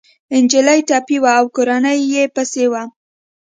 انجلۍ ټپي وه او کورنۍ يې پسې وه